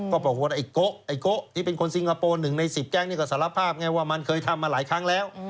บอกว่าไอ้โกะไอ้โกะที่เป็นคนซิงโกโปนหนึ่งในสิบแก่งนี้ก็สารภาพไงว่ามันเคยทำมาหลายครั้งแล้ว